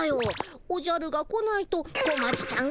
おじゃるが来ないと小町ちゃん